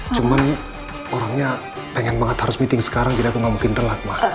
cuman orangnya pengen banget harus meeting sekarang jadi aku gak mungkin telak mah